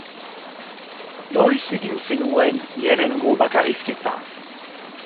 Noiz egin zenuen lehenengo bakarrizketa?